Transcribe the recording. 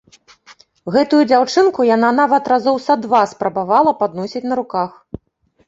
Гэтую дзяўчынку яна нават разоў са два спрабавала падносіць на руках.